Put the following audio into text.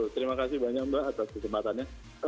ya halo terima kasih banyak mbak atas kesempatannya